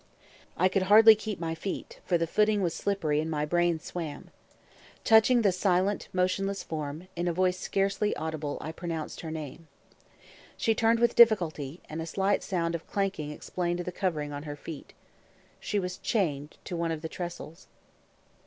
I could hardly keep my feet, for the footing was slippery and my brain swam. Touching the silent, motionless form, in a voice scarcely audible I pronounced her name. She turned with difficulty, and a slight sound of clanking explained the covering on the feet. She was chained to one of the trestles.